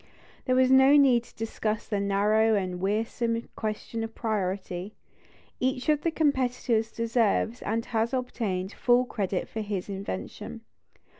There is no need to discuss the narrow and wearisome question of priority; each of the competitors deserves, and has obtained, full credit for his invention.